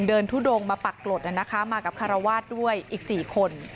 เดินทุดงมาปักโกรธนะคะมากับคารวาสด้วยอีก๔คน